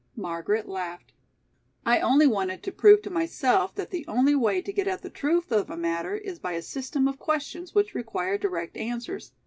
Margaret laughed. "I only wanted to prove to myself that the only way to get at the truth of a matter is by a system of questions which require direct answers.